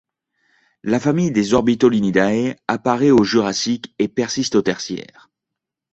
La famille des Orbitolinidae apparaît au Jurassique et persiste au Tertiaire.